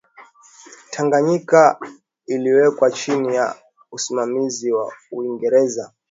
tanganyika iliwekwa chini ya usimamizi wa uingereza